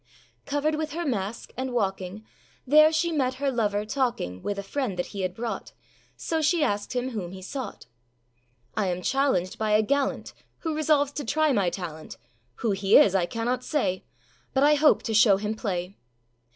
Covered with her mask, and walking, There she met her lover talking With a friend that he had brought; So she asked him whom he sought. âI am challenged by a gallant, Who resolves to try my talent; Who he is I cannot say, But I hope to show him play.